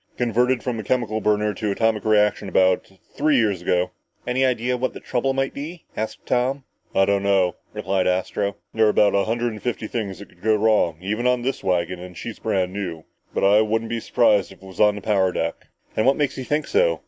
Converted from a chemical burner to atomic reaction about three years ago!" "Any ideas what the trouble might be?" asked Tom. "I don't know," replied Astro. "There are a hundred and fifty things that could go wrong even on this wagon and she's brand new. But I wouldn't be surprised if it was on the power deck!" "And what makes you think so?"